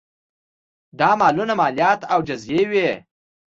دا مالونه مالیات او جزیې وې